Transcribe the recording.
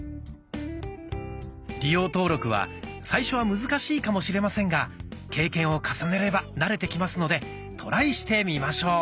利用登録は最初は難しいかもしれませんが経験を重ねれば慣れてきますのでトライしてみましょう。